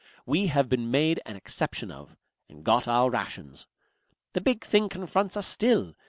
We have been made an exception of and got our rations. The big thing confronts us still.